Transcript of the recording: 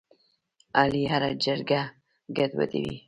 علي هره جرګه ګډوډوي.